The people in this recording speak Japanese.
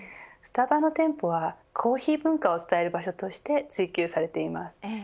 スタバの店舗はコーヒー文化を伝える場所として追及されています。